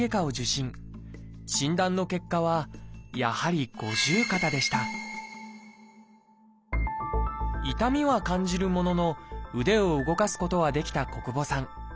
診断の結果はやはり「五十肩」でした痛みは感じるものの腕を動かすことはできた小久保さん。